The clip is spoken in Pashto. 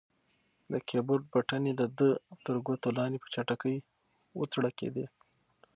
د کیبورډ بټنې د ده تر ګوتو لاندې په چټکۍ وتړکېدې.